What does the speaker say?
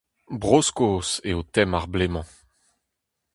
Bro-Skos eo tem ar bloaz-mañ.